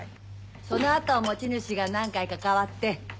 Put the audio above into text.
その後持ち主が何回か変わって。